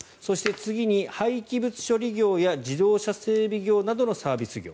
次に廃棄物処理業や自動車整備業のサービス業